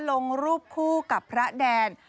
ลงรูปคู่กับพระแดน